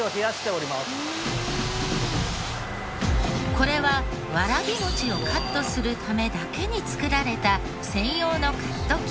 これはわらび餅をカットするためだけに造られた専用のカット機。